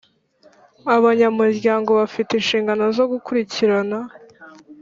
Abanyamuryango bafite inshingano zo gukurikirana